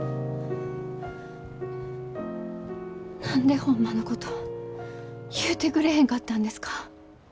何でホンマのこと言うてくれへんかったんですか？